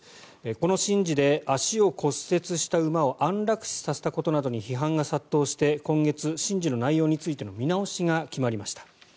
この神事で足を骨折した馬を安楽死させたことなどに批判が殺到して今月、神事の内容についての見直しが決まりました。